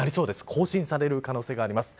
更新される可能性があります。